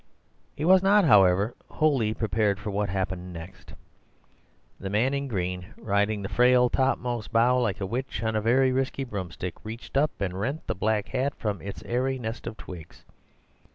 He was not, however, wholly prepared for what happened next. The man in green, riding the frail topmost bough like a witch on a very risky broomstick, reached up and rent the black hat from its airy nest of twigs.